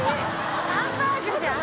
ハンバーグじゃん。